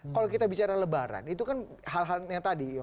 kalau kita bicara lebaran itu kan hal halnya tadi